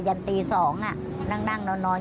ยันตี๒นั่งนอนอยู่ตรงนี้